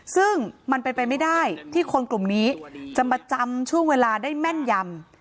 ซึ่งมันเป็นไปไม่ได้ที่คนกลุ่มนี้จะมาจำช่วงเวลาได้แม่นยำ